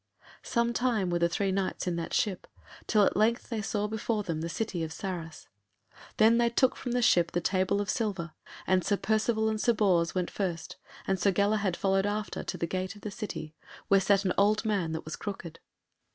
Some time were the three Knights in that ship, till at length they saw before them the city of Sarras. Then they took from the ship the table of silver, and Sir Percivale and Sir Bors went first, and Sir Galahad followed after to the gate of the city, where sat an old man that was crooked.